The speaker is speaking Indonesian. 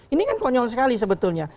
ini kan konyol sekali sebetulnya